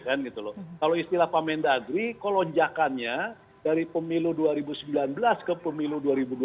kalau istilah pak mendagri kok lonjakannya dari pemilu dua ribu sembilan belas ke pemilu dua ribu dua puluh